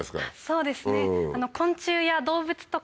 そうですね。